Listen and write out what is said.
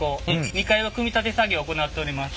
２階は組み立て作業を行っております。